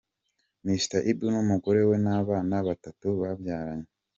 Mr Ibu n’umugore we n’abana batatu babyaranye.